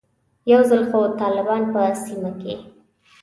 یو ځل خو طالبان په سیمه کې.